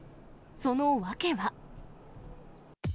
その訳は。